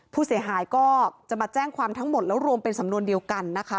ผู้เสียหายก็จะมาแจ้งความทั้งหมดแล้วรวมเป็นสำนวนเดียวกันนะคะ